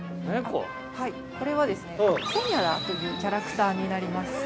◆これはですね、コニャラというキャラクターになります。